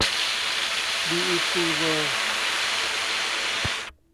บีอีซี เวิลด์